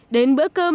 đến bữa cơm